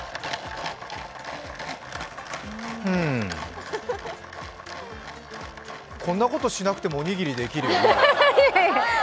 うんこんなことしなくても、おにぎり、できるよね。